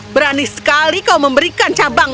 berani sekali kau memberikan cabang